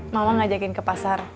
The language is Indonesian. mama ngajakin ke pasar